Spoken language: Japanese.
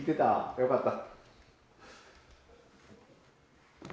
よかった。